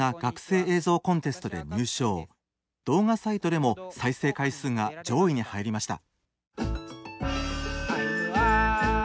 動画サイトでも再生回数が上位に入りました。